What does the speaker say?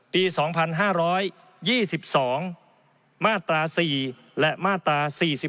ปี๒๕๒๒มาตรา๔และมาตรา๔๔